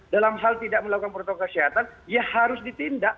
dalam hal tidak melakukan protokol kesehatan ya harus ditindak